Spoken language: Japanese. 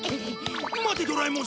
待てドラえもん！